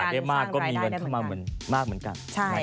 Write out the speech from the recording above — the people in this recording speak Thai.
ขายได้มากก็มีเงินขึ้นมามากเหมือนกัน